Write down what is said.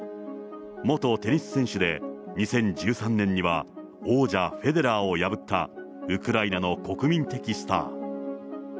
元テニス選手で、２０１３年には、王者、フェデラーを破ったウクライナの国民的スター。